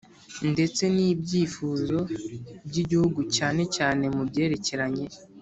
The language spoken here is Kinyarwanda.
ndetse n’ibyifuzo by’igihugu cyane cyane mu byerekeranye